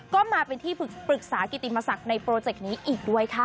ก็มาเป็นที่ปรึกษากิติมศักดิ์ในโปรเจกต์นี้อีกด้วยค่ะ